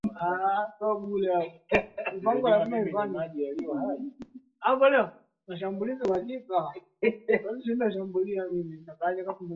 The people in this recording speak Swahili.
Lugha mama ya Yesu na ya Mitume ilikuwa Kiaramu ambacho ni jamii ya Kiyahudi